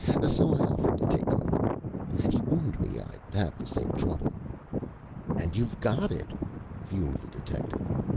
So I offered to take over. He warned me I'd have the same trouble." "And you've got it!" fumed the detective.